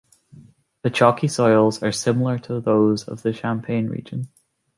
The chalky soils are similar to those of the Champagne region.